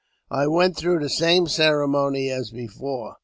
I went through the same ceremony as before.